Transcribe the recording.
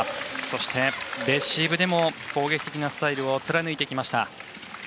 そしてレシーブでも攻撃的なスタイルを貫いてきました。